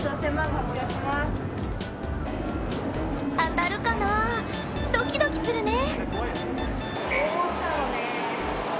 当たるかな、ドキドキするね。